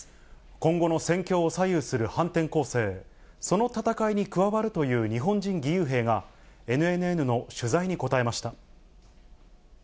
今後の戦況を左右する反転攻勢、その戦いに加わるという日本人義勇兵が、ＮＮＮの取材に答えました。